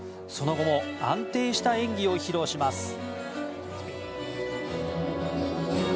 その後も安定した演技を披露します。